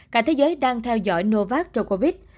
cả thế giới đang theo dõi novak jokovic